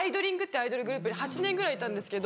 アイドルグループに８年ぐらいいたんですけど。